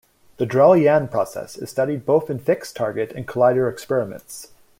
The Drell-Yan process is studied both in fixed-target and collider experiments.